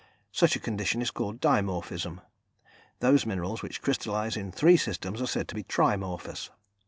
Such a condition is called dimorphism; those minerals which crystallise in three systems are said to be trimorphous.